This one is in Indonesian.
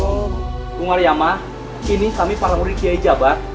tunggu mariama ini kami para murid kiai jabar